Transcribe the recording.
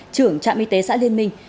trưởng trạm y tế xã liên minh